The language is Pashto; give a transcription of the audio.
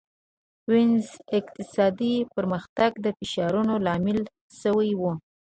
وینز اقتصادي پرمختګ د فشارونو لامل شوی و.